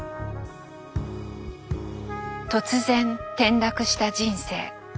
突然転落した人生。